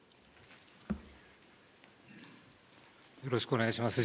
よろしくお願いします。